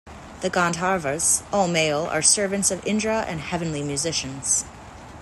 The Gandharvas, all male, are servants of Indra and heavenly musicians.